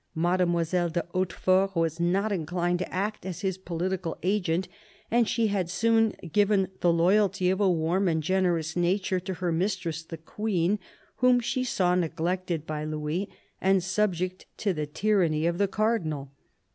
Mademoiselle de Hautefort was not incUned to act as his political agent, and she had soon given the loyalty of a warm and generous nature to her mistress, the Queen, whom she saw neglected by Louis and subject to the tyranny of the Cardinal.